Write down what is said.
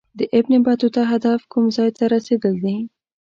د ابن بطوطه هدف کوم ځای ته رسېدل دي.